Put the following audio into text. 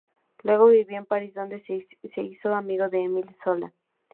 Luego vivió en París, donde se hizo amigo de Émile Zola.